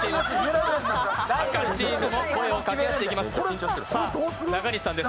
赤チームも声をかけ合っていきます。